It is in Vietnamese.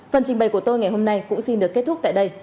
phần trình bày của tôi ngày hôm nay cũng xin được kết thúc tại đây